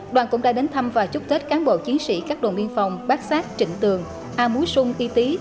đoàn cũng đã đến thăm và chúc tết cán bộ chiến sĩ các đồn biên phòng bác sát trịnh tường a múi xuân y tý